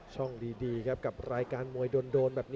ชัมเปียร์ชาเลน์